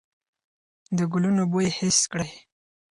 د ګلونو بوی حس کړئ.